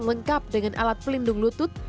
lengkap dengan alat pelindung lutut